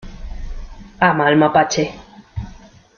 Ama al mapache.